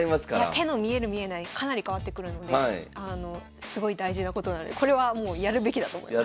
手の見える見えないかなり変わってくるのですごい大事なことなのでこれはもうやるべきだと思います。